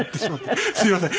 すみません。